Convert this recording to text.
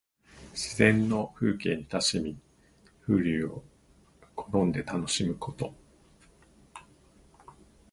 自然の風景に親しみ、風流を好んで楽しむこと。